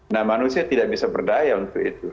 nah manusia tidak bisa berdaya untuk itu